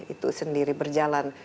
itu sendiri berjalan